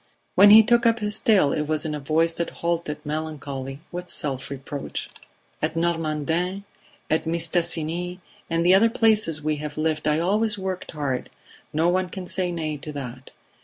When he took up his tale it was in a voice that halted, melancholy with self reproach. "At Normandin, at Mistassini and the other places we have lived I always worked hard; no one can say nay to that.